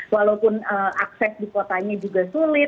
walaupun akses di kotanya juga sulit